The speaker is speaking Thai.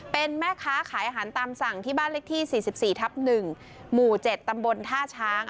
เป็นแม่ค้าขายอาหารตามสั่งที่บ้านเล็กที่สี่สิบสี่ทับหนึ่งหมู่เจ็ดตำบลท่าช้าง